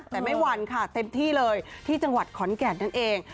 แต่ไม่วันค่ะเต็มที่เลยที่จังหวัดขอนแก่นนั่นเอง